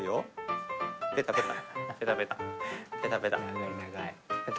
長い長い。